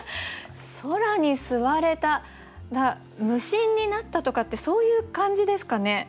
空に吸われた無心になったとかってそういう感じですかね？